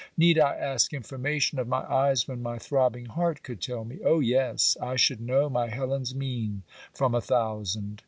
Need I ask information of my eyes when my throbbing heart could tell me? Oh yes, I should know my Helen's mien from a thousand.